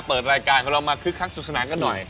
เปิดรายการของเรามาคึกคักสุขสนานกันหน่อย